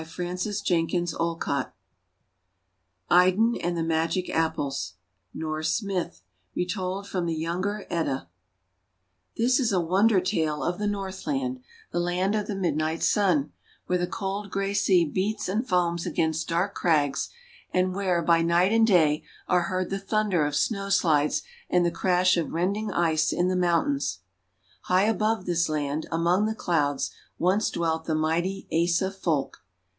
IDUN AND THE MAGIC APPLES 215 IDUN AND THE MAGIC APPLES Norse Myth Retold from the Younger Edda THIS is a wonder tale of the Northland, the land of the Midnight Sun, where the cold grey sea beats and foams against dark crags, and where, by night and day, are heard the thunder of snowslides and the crash of rending ice in the mountains. High above this land, among the clouds, once dwelt the mighty Asa Folk.